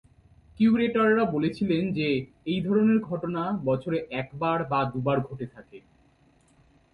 কিউরেটররা বলেছিলেন যে, এই ধরনের ঘটনা বছরে একবার বা দুবার ঘটে থাকে।